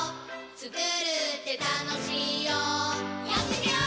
つくるってたのしいよやってみよー！